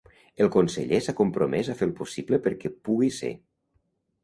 El conseller s’ha compromès a fer el possible perquè pugui ser.